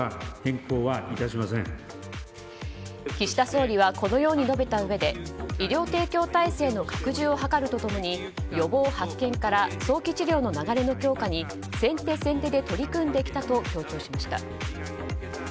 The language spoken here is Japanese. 岸田総理はこのように述べたうえで医療提供体制の拡充を図ると共に予防・発見から早期治療の流れの強化に先手先手で取り組んできたと強調しました。